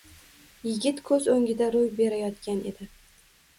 Yigit ko‘z o‘ngida ro‘y berayotgan edi.